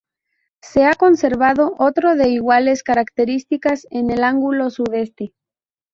Se ha conservado otro de iguales características en el ángulo sudeste.